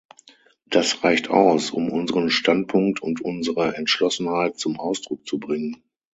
Das reicht aus, um unseren Standpunkt und unsere Entschlossenheit zum Ausdruck zu bringen.